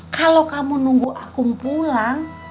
kalau kamu nunggu aku pulang